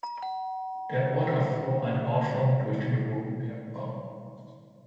Der Ort erfuhr einen Aufschwung durch den Ruhrbergbau.